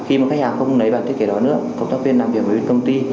khi mà khách hàng không lấy bản thiết kế đó nữa công tác viên làm việc với công ty